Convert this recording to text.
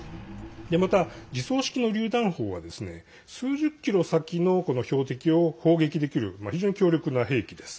また自走式のりゅう弾砲は数十キロ先の標的を砲撃できる非常に強力な兵器です。